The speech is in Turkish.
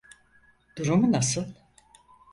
Durumu nasıl?